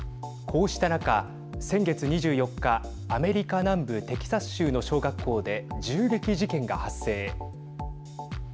こうした中先月２４日アメリカ南部テキサス州の小学校で銃撃事件が発生。